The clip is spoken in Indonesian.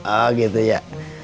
oh gitu ya